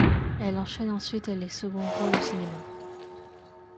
Elle enchaîne ensuite les seconds rôles au cinéma.